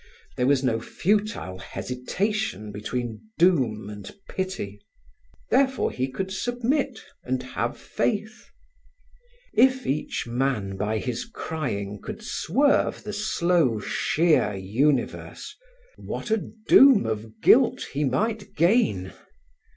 There was no futile hesitation between doom and pity. Therefore, he could submit and have faith. If each man by his crying could swerve the slow, sheer universe, what a doom of guilt he might gain.